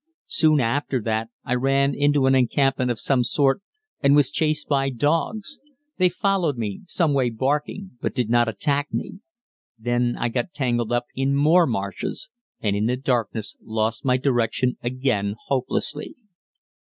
Soon after that I ran into an encampment of some sort and was chased by dogs; they followed me some way barking, but did not attack me. Then I got tangled up in more marshes, and in the darkness lost my direction again hopelessly.